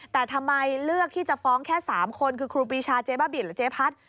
แต่ทำไมเลือกที่จะฟ้องแค่๓คนคือครูปีชาเจ๊บ้าบินหรือเจ๊พัด